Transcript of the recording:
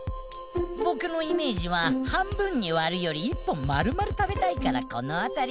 ぼくのイメージは半分にわるより一本まるまる食べたいからこのあたり。